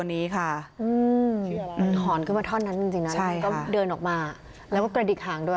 ในจริงนั้นคุณก็เดินออกมากระดิกหางด้วย